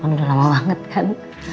udah lama banget kan